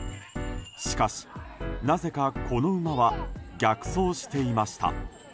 しかし、なぜかこの馬は逆走していました。